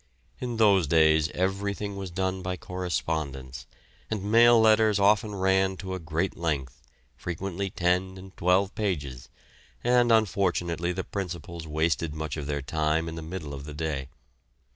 In those days everything was done by correspondence, and mail letters often ran to a great length, frequently ten and twelve pages; and unfortunately the principals wasted much of their time in the middle of the day.